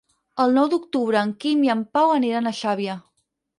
El nou d'octubre en Quim i en Pau aniran a Xàbia.